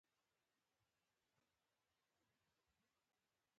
فاریاب د افغانانو د اړتیاوو د پوره کولو وسیله ده.